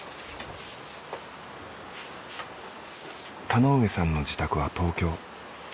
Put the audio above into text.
田上さんの自宅は東京。